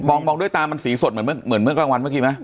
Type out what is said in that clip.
มองด้วยตามันสีสดเหมือนเมื่อกลางวันเมื่อกี้ไหม